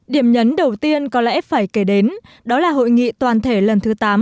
điểm nhấn đầu tiên có lẽ phải kể đến đó là hội nghị toàn thể lần thứ tám